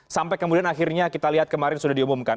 sampai kemudian akhirnya kita lihat kemarin sudah diumumkan